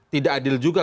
tidak adil juga